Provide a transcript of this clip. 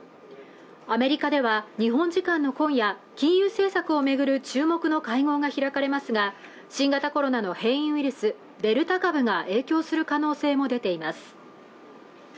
アメリカでは日本時間の今夜金融政策をめぐる注目の会合が開かれますが新型コロナの変異ウイルスデルタ株が影響する可能性も出ています